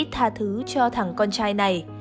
thả thứ cho thằng con trai này